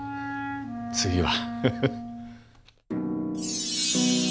次は。